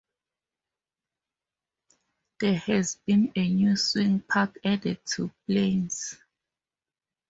There has been a new swing park added to Plains.